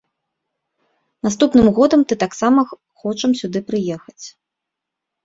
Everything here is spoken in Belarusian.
Наступным годам ты таксама хочам сюды прыехаць.